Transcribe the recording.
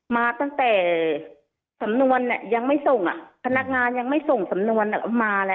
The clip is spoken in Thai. มาตั้งแต่สำนวนยังไม่ส่งอ่ะพนักงานยังไม่ส่งสำนวนมาแล้ว